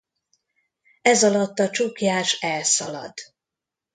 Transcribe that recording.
Ezalatt a csuklyás elszalad.